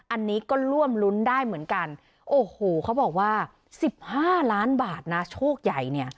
อันนี้ก็ร่วมรุ้นได้เหมือนกันโอ้โหเขาบอกว่าสิบห้าล้านบาทนะโชคใหญ่เนี่ย